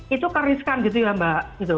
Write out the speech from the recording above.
itu keriskan gitu ya mbak